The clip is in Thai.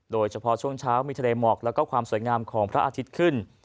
โดยเฉพาะช่วงเช้ามีทะเลหมอกแล้วก็ความสวยงามของพระอาทิตย์ขึ้น